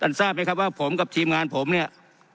ทราบไหมครับว่าผมกับทีมงานผมเนี่ย